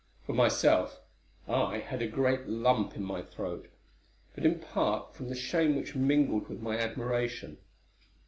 For myself, I had a great lump in my throat, but in part from the shame which mingled with my admiration.